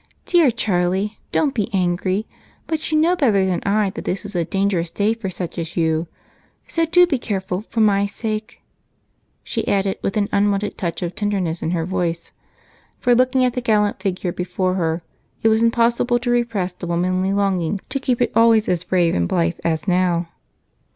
Dear Charlie, don't be angry, but you know better than I that this is a dangerous day for such as you so do be careful for my sake," she added, with an unwonted touch of tenderness in her voice, for, looking at the gallant figure before her, it was impossible to repress the womanly longing to keep it always as brave and blithe as now.